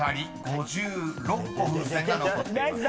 ５６個風船が残っています］